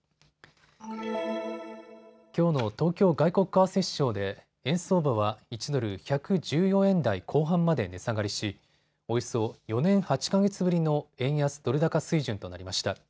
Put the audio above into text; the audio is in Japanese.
きょうの東京外国為替市場で円相場は１ドル１１４円台後半まで値下がりしおよそ４年８か月ぶりの円安ドル高水準となりました。